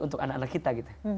untuk anak anak kita